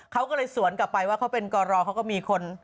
เขาก็เลยสวนกลับไปว่าเขาเป็นกรเขาก็มีคน